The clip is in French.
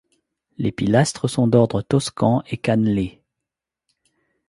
Les pilastres sont d'ordre toscan et cannelés.